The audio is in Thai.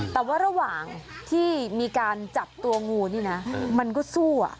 แต่ว่าระหว่างที่มีการจับตัวงูนี่นะมันก็สู้